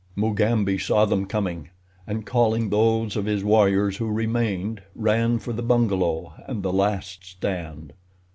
Mugambi saw them coming, and, calling those of his warriors who remained, ran for the bungalow and the last stand.